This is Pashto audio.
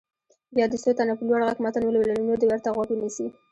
بیا دې څو تنه په لوړ غږ متن ولولي نور دې ورته غوږ ونیسي.